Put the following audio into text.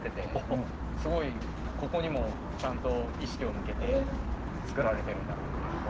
すごいここにもちゃんと意識を向けて作られてるんだなって。